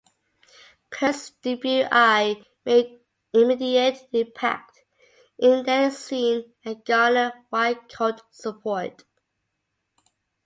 Cursed's debut "I" made immediate impact in their scene and garnered wide cult support.